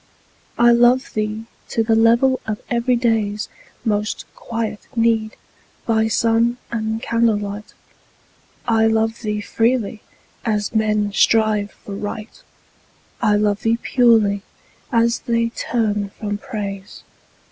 I love thee to the level of everyday's Most quiet need, by sun and candle light. I love thee freely, as men strive for Right; I love thee purely, as they turn from Praise.